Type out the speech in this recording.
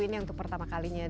ini yang pertama kalinya